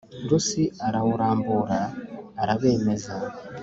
Rusi arawurambura arabemeza